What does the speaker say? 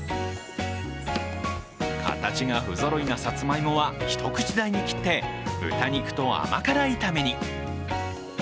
形が不揃いなさつまいもは一口大に切って豚肉と甘辛炒めに。